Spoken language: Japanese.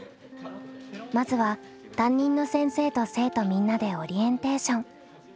まずは担任の先生と生徒みんなでオリエンテーション。